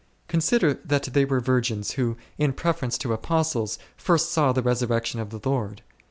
Consider that they were virgins who, in preference to Apostles, first saw the resurrection of the Lord.